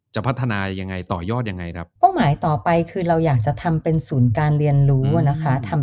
จะพัฒนายังไงต่อยอดยังไงครับเป้าหมายต่อไปคือเราอยากจะทำเป็นศูนย์การเรียนรู้อ่ะนะคะ